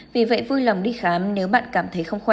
vì vậy vui lòng đi khám nếu bạn cảm thấy không khỏe